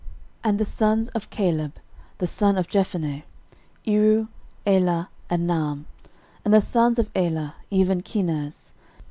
13:004:015 And the sons of Caleb the son of Jephunneh; Iru, Elah, and Naam: and the sons of Elah, even Kenaz.